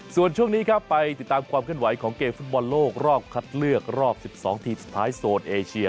ส่วนช่วงนี้ครับไปติดตามความเคลื่อนไหวของเกมฟุตบอลโลกรอบคัดเลือกรอบ๑๒ทีมสุดท้ายโซนเอเชีย